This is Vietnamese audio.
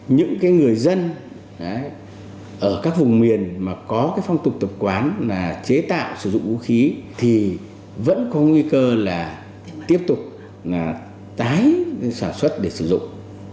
những người dân ở các vùng miền mà có cái phong tục tập quán là chế tạo sử dụng vũ khí thì vẫn có nguy cơ là tiếp tục tái sản xuất để sử dụng